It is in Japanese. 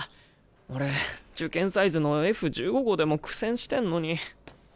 俺受験サイズのＦ１５号でも苦戦してんのに。